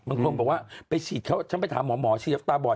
มันควรบอกว่าฉันไปถามหมอฉีดแล้วตาบอด